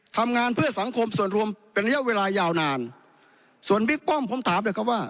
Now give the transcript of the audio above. ทำงานเพื่อสังคมส่วนรวมเป็นระยะเวลายาวนานส่วนบิ๊กป้อมผมถามเลยครับว่า